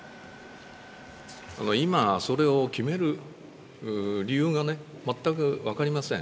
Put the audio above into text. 今それを決める理由がね、全く分かりません。